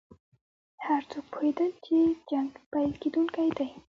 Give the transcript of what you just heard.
هر څوک پوهېدل چې جنګ پیل کېدونکی دی.